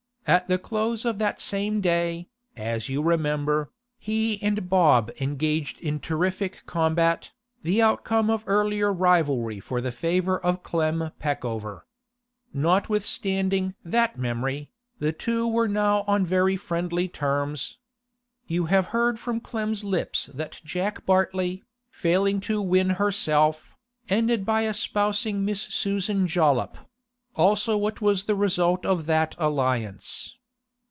At the close of that same day, as you remember, he and Bob engaged in terrific combat, the outcome of earlier rivalry for the favour of Clem Peckover. Notwithstanding that memory, the two were now on very friendly terms. You have heard from Clem's lips that Jack Bartley, failing to win herself, ended by espousing Miss Susan Jollop; also what was the result of that alliance.